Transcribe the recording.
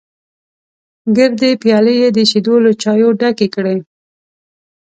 ګردې پيالې یې د شیدو له چایو ډکې کړې.